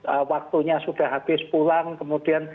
apakah waktunya sudah habis pulang kemudian